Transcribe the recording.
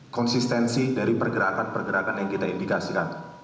konsistensi dari pergerakan pergerakan yang kita indikasikan